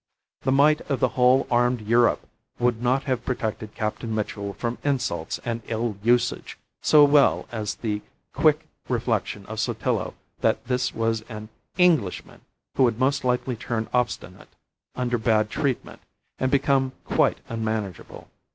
The might of the whole armed Europe would not have protected Captain Mitchell from insults and ill usage, so well as the quick reflection of Sotillo that this was an Englishman who would most likely turn obstinate under bad treatment, and become quite unmanageable.